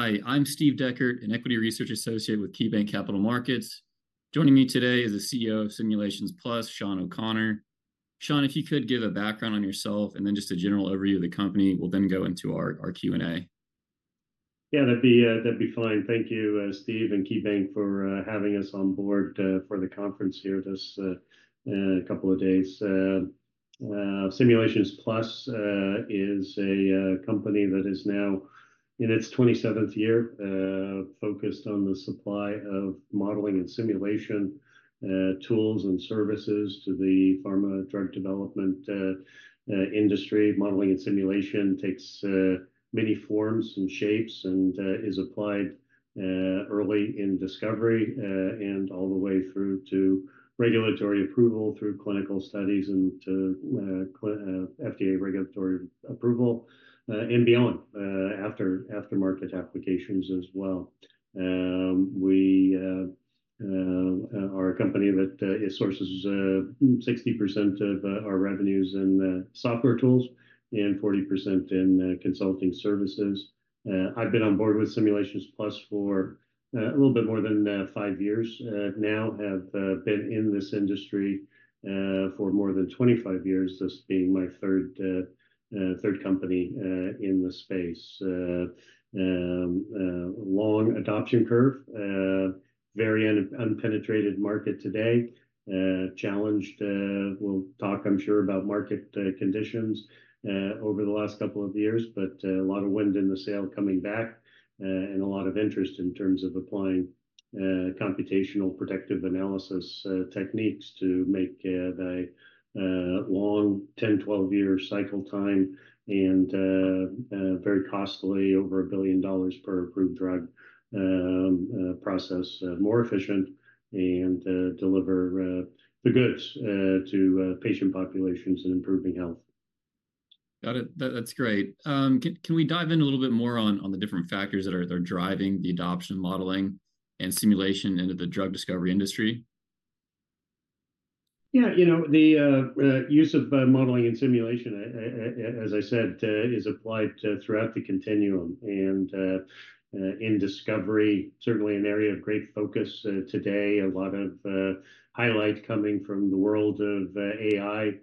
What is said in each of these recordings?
Hi, I'm Steve Dechert, an Equity Research Associate with KeyBanc Capital Markets. Joining me today is the CEO of Simulations Plus, Shawn O'Connor. Shawn, if you could give a background on yourself and then just a general overview of the company, we'll then go into our Q&A. Yeah, that'd be fine. Thank you, Steve, and KeyBanc for having us on board for the conference here this couple of days. Simulations Plus is a company that is now in its 27th year, focused on the supply of modeling and simulation tools and services to the pharma drug development industry. Modeling and simulation takes many forms and shapes, and is applied early in discovery and all the way through to regulatory approval, through clinical studies, and to FDA regulatory approval and beyond, after-market applications as well. We are a company that it sources 60% of our revenues in software tools and 40% in consulting services. I've been on board with Simulations Plus for a little bit more than five years. Now have been in this industry for more than 25 years, this being my third company in the space. Long adoption curve, very underpenetrated market today. Challenged, we'll talk, I'm sure, about market conditions over the last couple of years, but a lot of wind in the sail coming back, and a lot of interest in terms of applying computational predictive analysis techniques to make the long 10, 12 year cycle time and very costly, over $1 billion per approved drug, process more efficient and deliver the goods to patient populations and improving health. Got it. That's great. Can we dive in a little bit more on the different factors that are driving the adoption, modeling, and simulation into the drug discovery industry? Yeah, you know, the use of modeling and simulation, as I said, is applied to throughout the continuum. In discovery, certainly an area of great focus today, a lot of highlight coming from the world of AI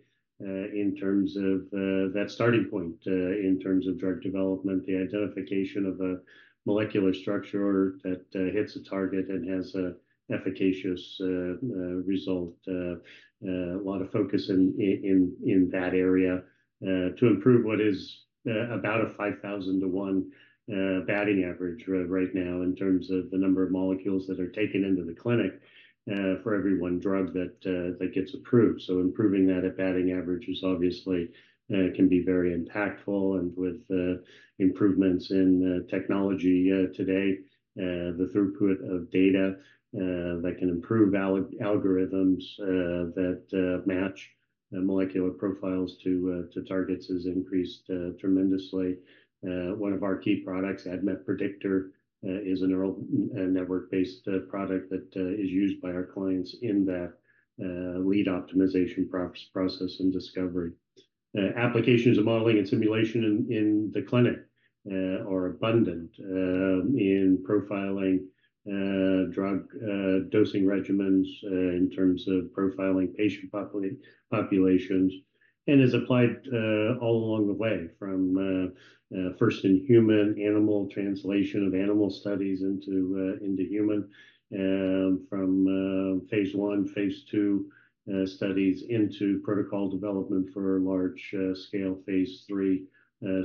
in terms of that starting point in terms of drug development, the identification of a molecular structure that hits a target and has a efficacious result. A lot of focus in that area to improve what is about a 5,000-to-1 batting average right now in terms of the number of molecules that are taken into the clinic for every one drug that gets approved. So improving that batting average is obviously can be very impactful. With improvements in technology today, the throughput of data that can improve algorithms that match the molecular profiles to targets has increased tremendously. One of our key products, ADMET Predictor, is a neural network-based product that is used by our clients in that lead optimization process and discovery. Applications of modeling and simulation in the clinic are abundant in profiling drug dosing regimens in terms of profiling patient populations, and is applied all along the way from first in human, animal translation of animal studies into human. From phase I, phase II studies into protocol development for large scale phase III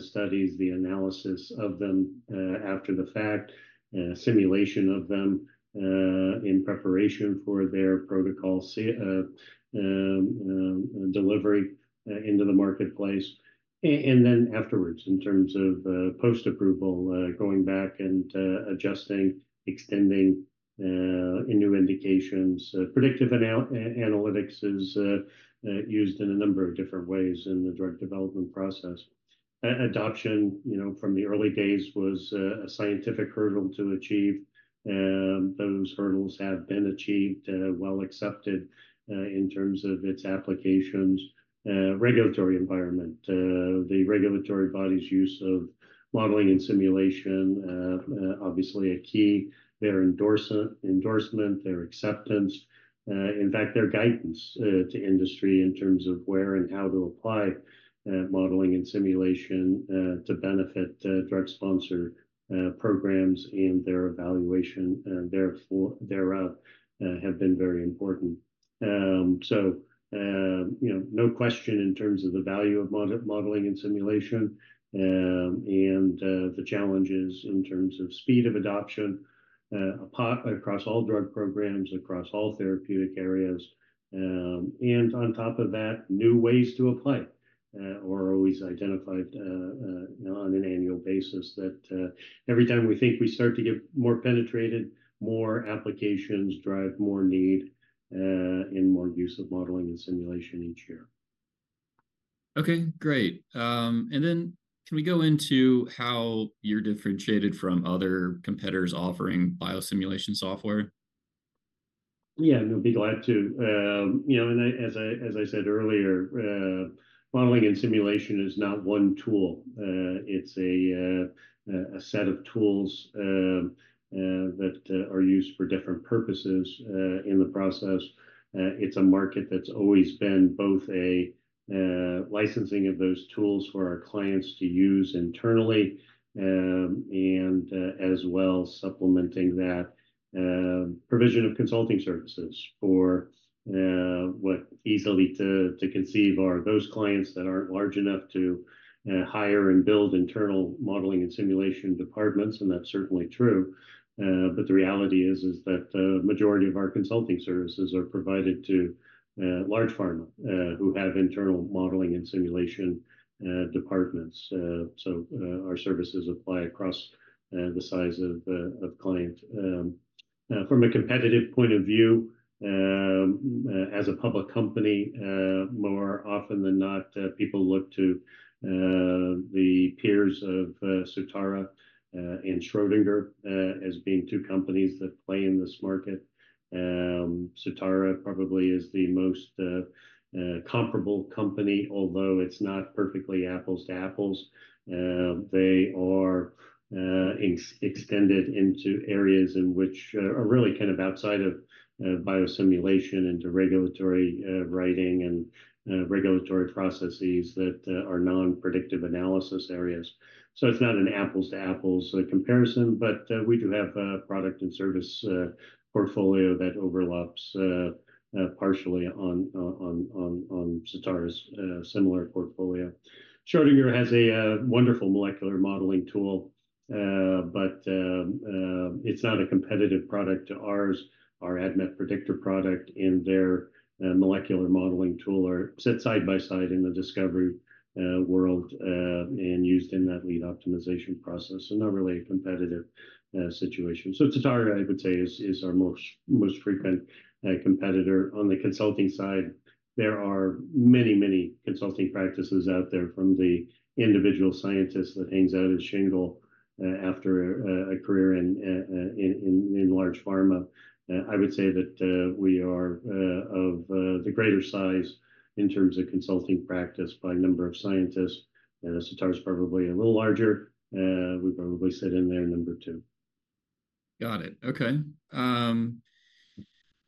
studies, the analysis of them after the fact, simulation of them in preparation for their protocol delivery into the marketplace. And then afterwards, in terms of post-approval, going back and adjusting, extending in new indications. Predictive analytics is used in a number of different ways in the drug development process. Adoption, you know, from the early days, was a scientific hurdle to achieve, those hurdles have been achieved, well accepted in terms of its applications. Regulatory environment, the regulatory body's use of modeling and simulation obviously a key. Their endorsement, their acceptance, in fact, their guidance to industry in terms of where and how to apply modeling and simulation to benefit drug sponsor programs and their evaluation thereof have been very important. So, you know, no question in terms of the value of modeling and simulation and the challenges in terms of speed of adoption across all drug programs, across all therapeutic areas. And on top of that, new ways to apply or always identified, you know, on an annual basis, that every time we think we start to get more penetrated, more applications drive more need and more use of modeling and simulation each year. Okay, great. And then can we go into how you're differentiated from other competitors offering biosimulation software? Yeah, I'll be glad to. You know, as I said earlier, modeling and simulation is not one tool. It's a set of tools that are used for different purposes in the process. It's a market that's always been both a licensing of those tools for our clients to use internally, and as well supplementing that, provision of consulting services for what easily to conceive are those clients that aren't large enough to hire and build internal modeling and simulation departments, and that's certainly true. But the reality is that the majority of our consulting services are provided to large pharma who have internal modeling and simulation departments. So, our services apply across the size of client. From a competitive point of view, as a public company, more often than not, people look to the peers of Certara and Schrödinger as being two companies that play in this market. Certara probably is the most comparable company, although it's not perfectly apples to apples. They are extended into areas in which are really kind of outside of biosimulation into regulatory writing and regulatory processes that are non-predictive analysis areas. So it's not an apples to apples comparison, but we do have a product and service portfolio that overlaps partially on Certara's similar portfolio. Schrödinger has a wonderful molecular modeling tool, but it's not a competitive product to ours. Our ADMET Predictor product and their molecular modeling tool sit side by side in the discovery world and used in that lead optimization process, so not really a competitive situation. So Certara, I would say, is our most frequent competitor. On the consulting side, there are many consulting practices out there from the individual scientists that hangs out his shingle after a career in large pharma. I would say that we are of the greater size in terms of consulting practice by number of scientists, and Certara's probably a little larger. We probably sit in there number two. Got it. Okay.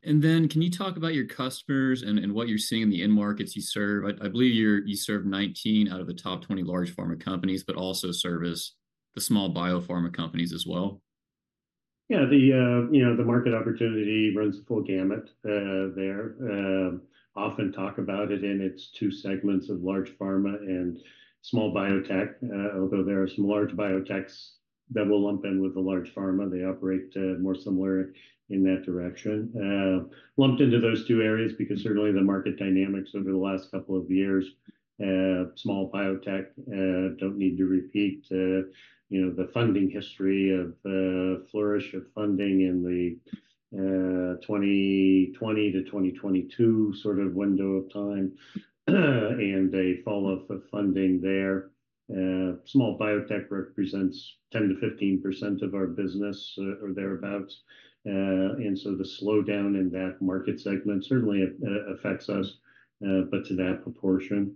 And then can you talk about your customers and what you're seeing in the end markets you serve? I believe you serve 19 out of the top 20 large pharma companies, but also service the small biopharma companies as well. Yeah. You know, the market opportunity runs the full gamut there. Often talk about it in its two segments of large pharma and small biotech, although there are some large biotechs that will lump in with the large pharma, they operate more similar in that direction. Lumped into those two areas because certainly the market dynamics over the last couple of years, small biotech, don't need to repeat, you know, the funding history of flourish of funding in the 2020 to 2022 sort of window of time, and a fall off of funding there. Small biotech represents 10%-15% of our business, or thereabout. And so the slowdown in that market segment certainly affects us, but to that proportion.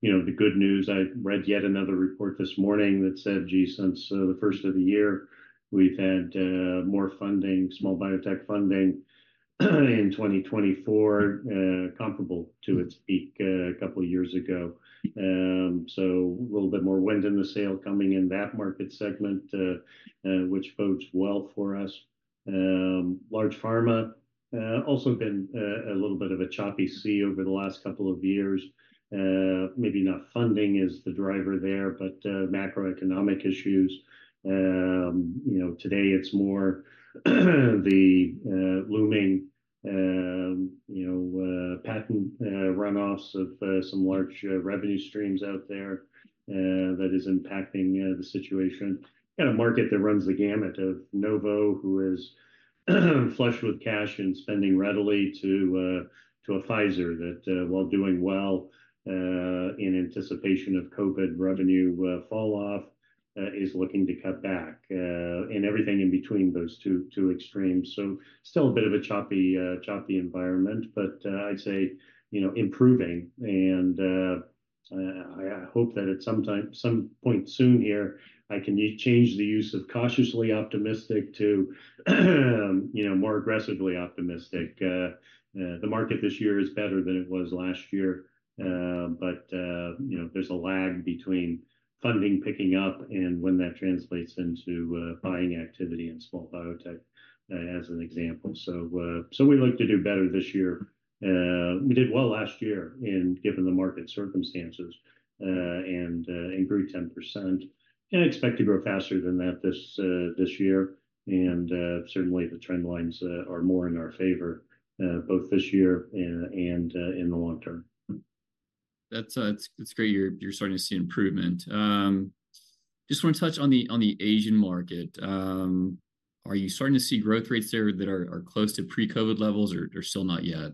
You know, the good news, I read yet another report this morning that said, gee, since the first of the year, we've had more funding, small biotech funding, in 2024, comparable to its peak, a couple of years ago. So a little bit more wind in the sail coming in that market segment, which bodes well for us. Large pharma also been a little bit of a choppy sea over the last couple of years. Maybe not funding is the driver there, but macroeconomic issues. You know, today it's more the looming, you know, patent runoffs of some large revenue streams out there that is impacting the situation. In a market that runs the gamut of Novo, who is flushed with cash and spending readily to a Pfizer that, while doing well, in anticipation of COVID revenue fall off, is looking to cut back, and everything in between those two extremes. So still a bit of a choppy environment, but I'd say, you know, improving. And I hope that at some point soon here, I can change the use of cautiously optimistic to, you know, more aggressively optimistic. The market this year is better than it was last year. But you know, there's a lag between funding picking up and when that translates into buying activity in small biotech, as an example. So we look to do better this year. We did well last year and given the market circumstances, and grew 10%, and expect to grow faster than that this year. And certainly the trend lines are more in our favor, both this year and in the long term. That's great you're starting to see improvement. Just wanna touch on the Asian market. Are you starting to see growth rates there that are close to pre-COVID levels, or still not yet?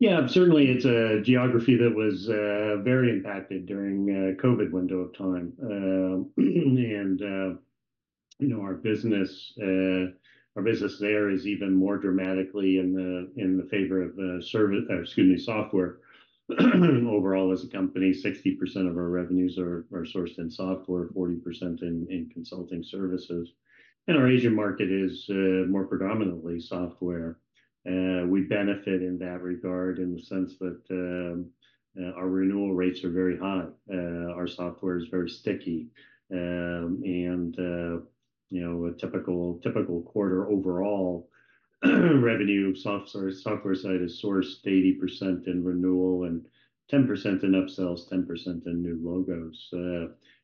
Yeah, certainly it's a geography that was very impacted during COVID window of time. And you know, our business there is even more dramatically in the favor of service, excuse me, software. Overall, as a company, 60% of our revenues are sourced in software, 40% in consulting services. And our Asian market is more predominantly software. We benefit in that regard in the sense that our renewal rates are very high. Our software is very sticky. And you know, a typical quarter overall, revenue, sorry, software side is sourced 80% in renewal and 10% in upsells, 10% in new logos.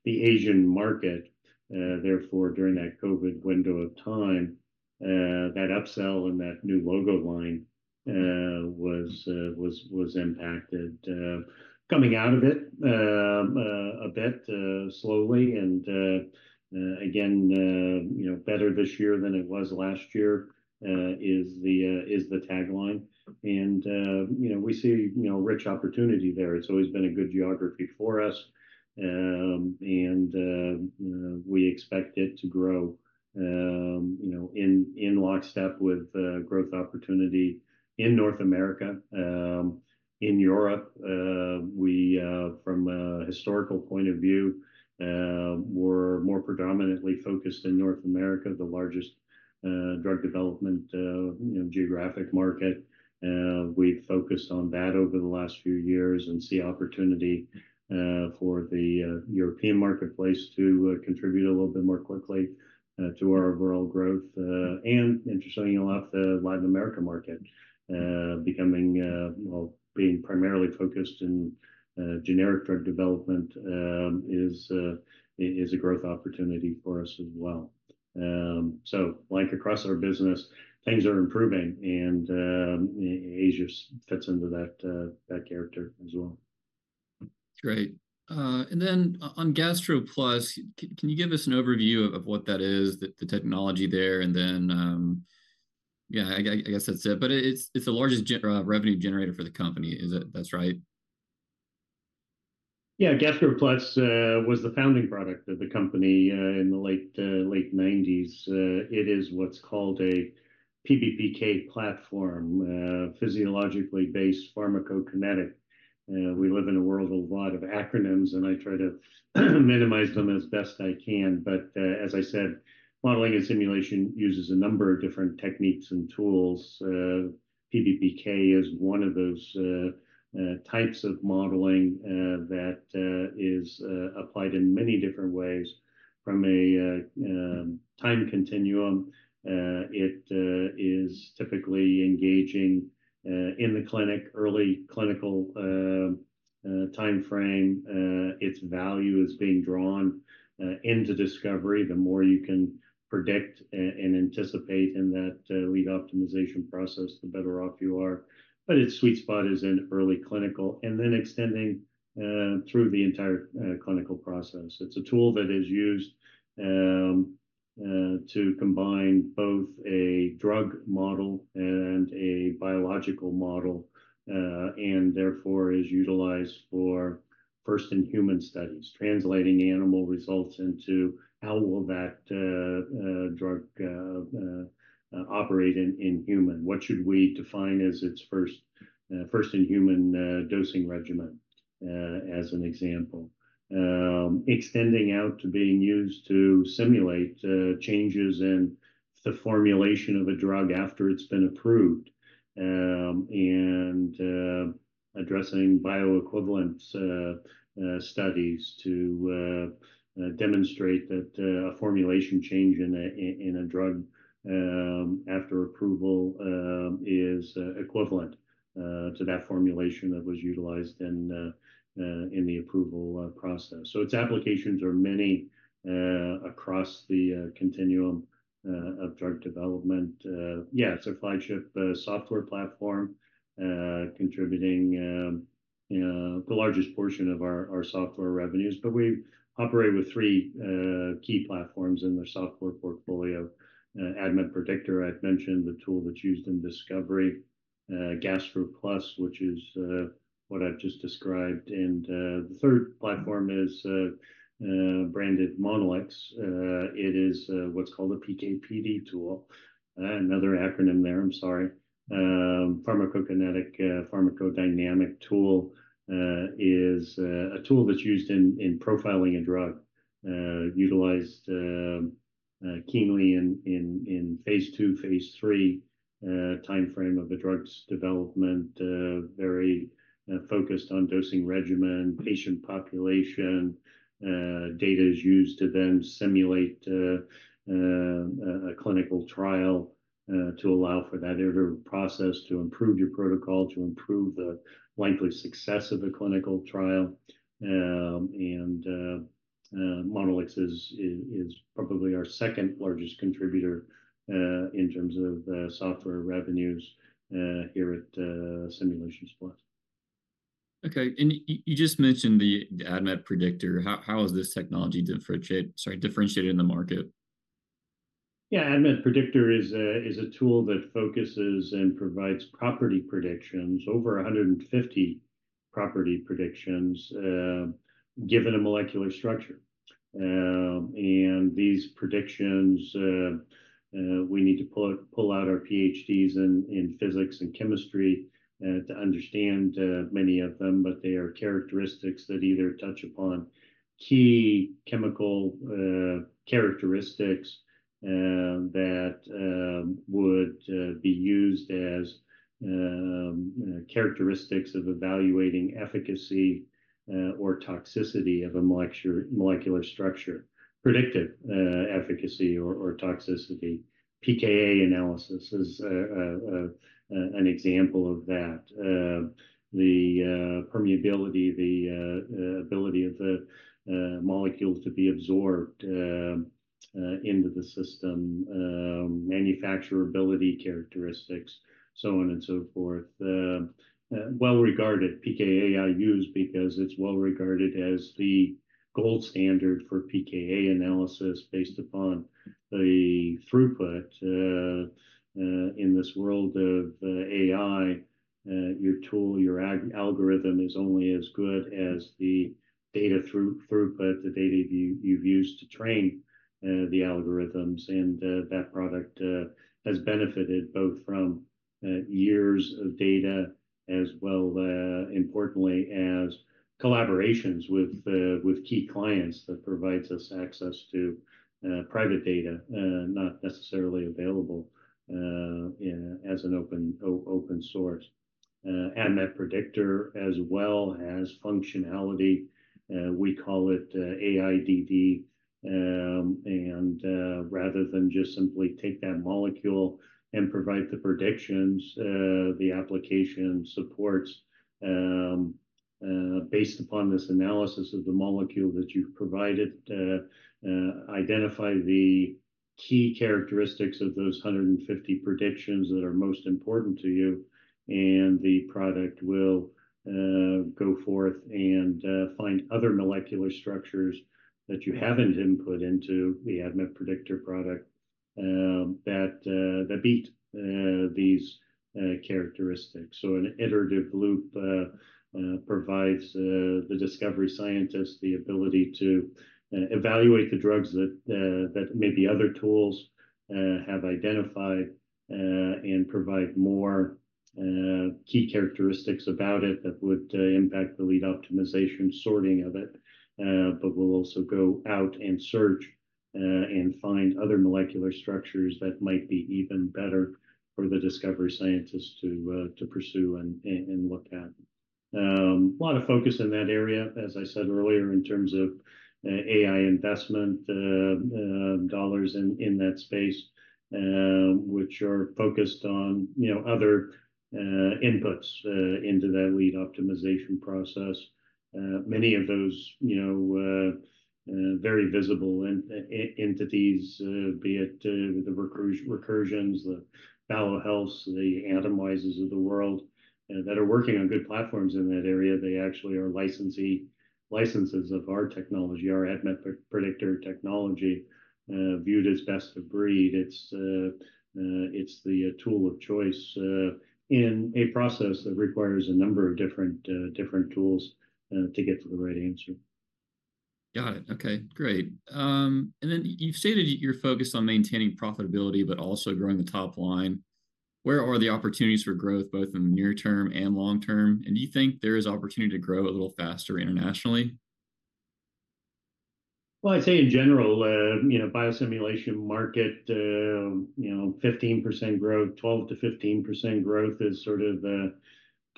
The Asian market, therefore, during that COVID window of time, that upsell and that new logo line was impacted. Coming out of it, a bit slowly and, again, you know, better this year than it was last year, is the tagline. And, you know, we see, you know, rich opportunity there. It's always been a good geography for us. And, we expect it to grow, you know, in lockstep with growth opportunity in North America. In Europe, we, from a historical point of view, we're more predominantly focused in North America, the largest drug development, you know, geographic market. We've focused on that over the last few years and see opportunity for the European marketplace to contribute a little bit more quickly to our overall growth. And interestingly enough, the Latin America market, well, being primarily focused in generic drug development, is a growth opportunity for us as well. So like across our business, things are improving, and Asia fits into that character as well. Great. And then on GastroPlus, can you give us an overview of what that is, the technology there, and then, yeah, I guess that's it. But it's the largest revenue generator for the company, is it? That's right? Yeah. GastroPlus was the founding product of the company in the late 1990s. It is what's called a PBPK platform, physiologically based pharmacokinetics. We live in a world with a lot of acronyms, and I try to minimize them as best I can. But as I said, modeling and simulation uses a number of different techniques and tools. PBPK is one of those types of modeling that is applied in many different ways from a time continuum. It is typically engaging in the clinic, early clinical timeframe. Its value is being drawn into discovery. The more you can predict and anticipate in that lead optimization process, the better off you are. But its sweet spot is in early clinical and then extending through the entire clinical process. It's a tool that is used to combine both a drug model and a biological model and therefore is utilized for first-in-human studies, translating animal results into how will that drug operate in human? What should we define as its first first-in-human dosing regimen as an example. Extending out to being used to simulate changes in the formulation of a drug after it's been approved and addressing bioequivalence studies to demonstrate that a formulation change in a drug after approval is equivalent to that formulation that was utilized in the approval process. Its applications are many, across the continuum of drug development. Yeah, it's our flagship software platform, contributing the largest portion of our software revenues. But we operate with three key platforms in their software portfolio. ADMET Predictor, I've mentioned, the tool that's used in discovery. GastroPlus, which is what I've just described. And the third platform is branded Monolix. It is what's called a PK/PD tool. Another acronym there, I'm sorry. Pharmacokinetic pharmacodynamic tool is a tool that's used in profiling a drug, utilized keenly in phase II, phase III timeframe of a drug's development. Very focused on dosing regimen, patient population. Data is used to then simulate a clinical trial to allow for that iterative process to improve your protocol, to improve the likely success of the clinical trial. Monolix is probably our second largest contributor in terms of software revenues here at Simulations Plus. Okay. And you just mentioned the ADMET Predictor. How is this technology differentiated in the market? Yeah, ADMET Predictor is a tool that focuses and provides property predictions, over 150 property predictions, given a molecular structure. And these predictions, we need to pull out our PhDs in physics and chemistry to understand many of them, but they are characteristics that either touch upon key chemical characteristics that would be used as characteristics of evaluating efficacy or toxicity of a molecular structure, predictive efficacy or toxicity. PKa analysis is an example of that. The permeability, the ability of the molecules to be absorbed into the system, manufacturability characteristics, so on and so forth. Well-regarded pKa I use because it's well regarded as the gold standard for pKa analysis based upon the throughput. In this world of AI, your tool, your algorithm is only as good as the data throughput, the data you've used to train the algorithms. And that product has benefited both from years of data as well, importantly, as collaborations with key clients that provides us access to private data not necessarily available as an open source. And that predictor, as well as functionality we call it AIDD. Rather than just simply take that molecule and provide the predictions, the application supports, based upon this analysis of the molecule that you've provided, identify the key characteristics of those 150 predictions that are most important to you, and the product will go forth and find other molecular structures that you haven't input into the ADMET Predictor product, that beat these characteristics. So an iterative loop provides the discovery scientist the ability to evaluate the drugs that maybe other tools have identified, and provide more key characteristics about it that would impact the lead optimization sorting of it. But we'll also go out and search and find other molecular structures that might be even better for the discovery scientists to pursue and look at. A lot of focus in that area, as I said earlier, in terms of AI investment dollars in that space, which are focused on, you know, other inputs into that lead optimization process. Many of those, you know, very visible entities, be it the Recursion, the Valo Health, the Atomwise of the world, that are working on good platforms in that area, they actually are licensees of our technology, our ADMET Predictor technology. Viewed as best of breed. It's, it's the tool of choice in a process that requires a number of different, different tools to get to the right answer. Got it. Okay, great. And then you've stated you're focused on maintaining profitability, but also growing the top line. Where are the opportunities for growth, both in the near term and long term? And do you think there is opportunity to grow a little faster internationally? Well, I'd say in general, you know, biosimulation market, you know, 15% growth, 12%-15% growth is sort of the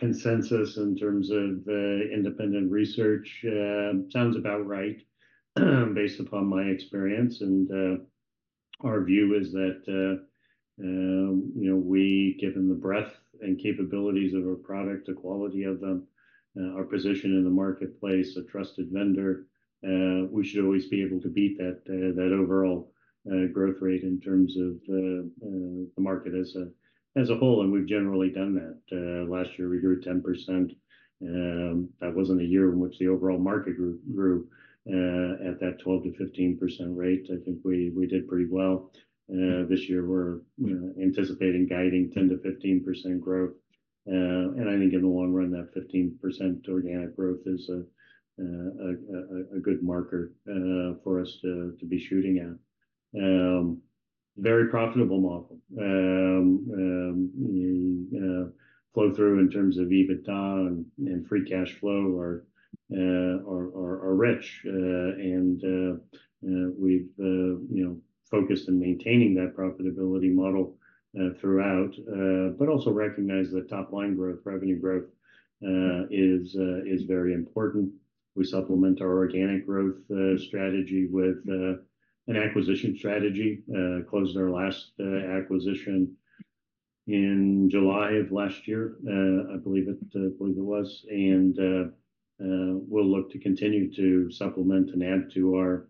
consensus in terms of independent research. Sounds about right, based upon my experience. Our view is that, you know, we, given the breadth and capabilities of our product, the quality of them, our position in the marketplace, a trusted vendor, we should always be able to beat that, that overall growth rate in terms of the, the market as a, as a whole, and we've generally done that. Last year, we grew 10%, that wasn't a year in which the overall market grew at that 12%-15% rate. I think we did pretty well. This year, we're anticipating guiding 10%-15% growth. I think in the long run, that 15% organic growth is a good marker for us to be shooting at. Very profitable model. Flow through in terms of EBITDA and free cash flow are rich. We've, you know, focused in maintaining that profitability model throughout, but also recognize that top line growth, revenue growth is very important. We supplement our organic growth strategy with an acquisition strategy. Closed our last acquisition in July of last year, I believe it was. We'll look to continue to supplement and add to our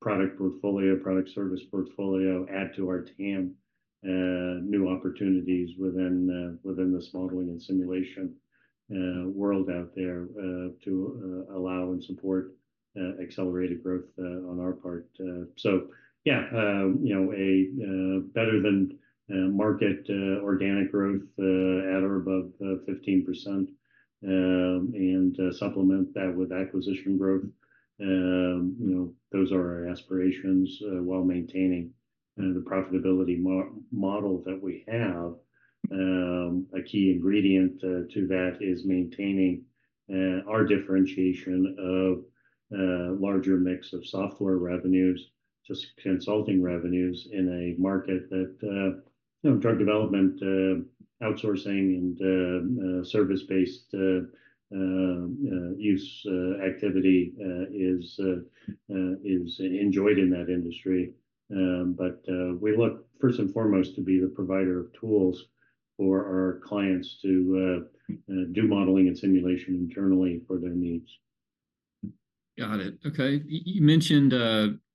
product portfolio, product service portfolio, add to our team. New opportunities within this modeling and simulation world out there to allow and support accelerated growth on our part. So yeah, you know, a better than market organic growth at or above 15%. And supplement that with acquisition growth. You know, those are our aspirations while maintaining the profitability model that we have. A key ingredient to that is maintaining our differentiation of larger mix of software revenues to consulting revenues in a market that, you know, drug development outsourcing and service-based use activity is enjoyed in that industry. We look first and foremost to be the provider of tools for our clients to do modeling and simulation internally for their needs. Got it. Okay. You mentioned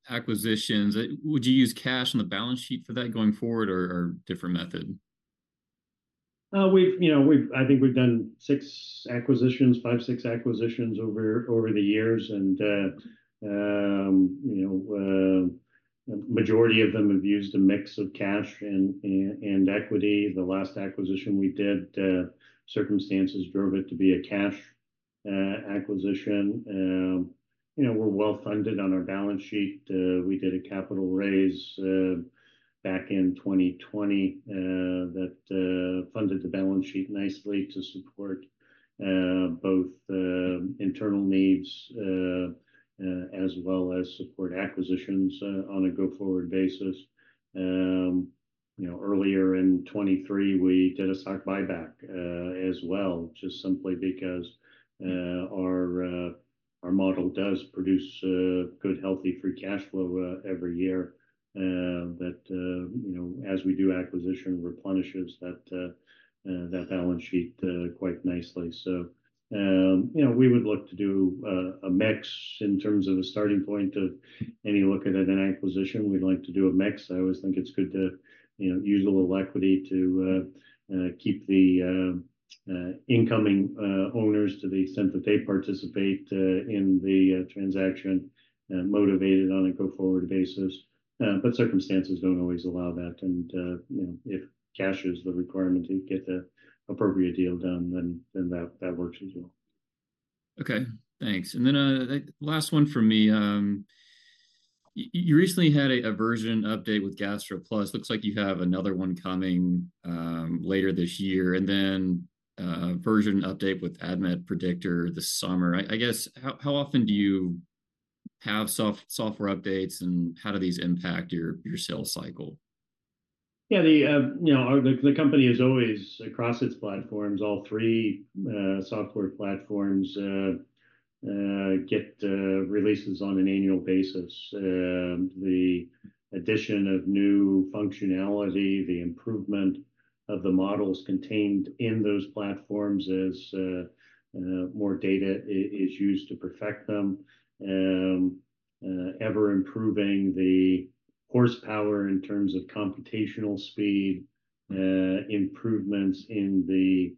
acquisitions. Would you use cash on the balance sheet for that going forward or different method? We've, you know, I think we've done six acquisitions, five, six acquisitions over the years. You know, majority of them have used a mix of cash and equity. The last acquisition we did, circumstances drove it to be a cash acquisition. You know, we're well-funded on our balance sheet. We did a capital raise back in 2020 that funded the balance sheet nicely to support both the internal needs as well as support acquisitions on a go-forward basis. You know, earlier in 2023, we did a stock buyback as well, just simply because our model does produce good, healthy free cash flow every year. You know, as we do acquisition replenishes that balance sheet quite nicely. So, you know, we would look to do a mix in terms of a starting point of any look at an acquisition. We'd like to do a mix. I always think it's good to, you know, use a little equity to keep the incoming owners to the extent that they participate in the transaction motivated on a go-forward basis. But circumstances don't always allow that. And, you know, if cash is the requirement to get the appropriate deal done, then that works as well. Okay, thanks. And then, last one from me. You recently had a version update with GastroPlus. Looks like you have another one coming later this year, and then version update with ADMET Predictor this summer. I guess, how often do you have software updates, and how do these impact your sales cycle? Yeah, the, you know, the, the company is always across its platforms, all three, software platforms, get releases on an annual basis. The addition of new functionality, the improvement of the models contained in those platforms as, more data is used to perfect them. Ever improving the horsepower in terms of computational speed, improvements in the,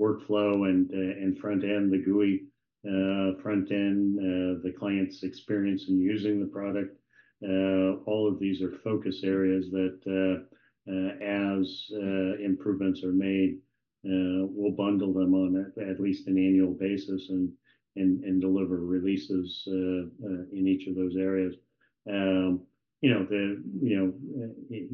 workflow and, and front end, the GUI, front end, the client's experience in using the product. All of these are focus areas that, as, improvements are made, we'll bundle them on at, at least an annual basis and, and, deliver releases, in each of those areas. You know, the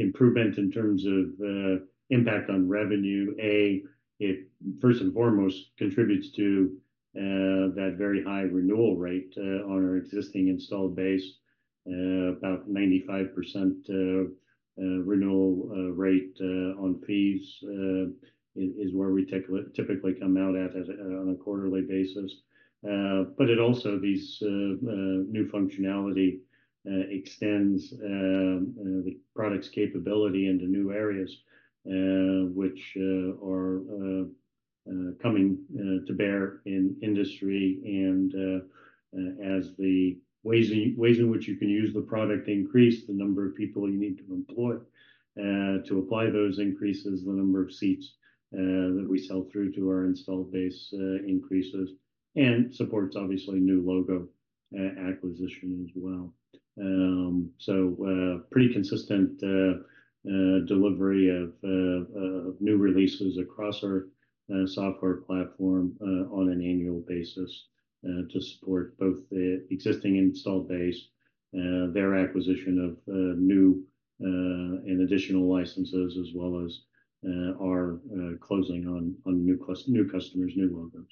improvement in terms of impact on revenue, it first and foremost contributes to that very high renewal rate on our existing installed base. About 95% renewal rate on fees is where we typically come out at on a quarterly basis. But it also these new functionality extends the product's capability into new areas, which are coming to bear in industry. And as the ways in which you can use the product increase, the number of people you need to employ to apply those increases, the number of seats that we sell through to our installed base increases and supports obviously new logo acquisition as well. Pretty consistent delivery of new releases across our software platform on an annual basis to support both the existing installed base, their acquisition of new and additional licenses, as well as our closing on new customers, new logos.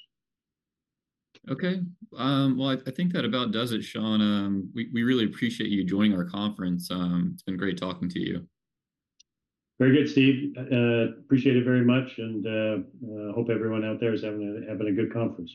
Okay. Well, I think that about does it, Shawn. We really appreciate you joining our conference. It's been great talking to you. Very good, Steve. Appreciate it very much, and hope everyone out there is having a good conference.